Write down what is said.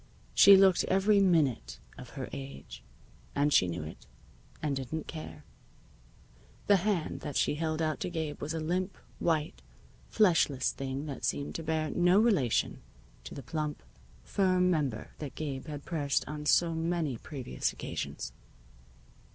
She looked every minute of her age, and she knew it, and didn't care. The hand that she held out to Gabe was a limp, white, fleshless thing that seemed to bear no relation to the plump, firm member that Gabe had pressed on so many previous occasions.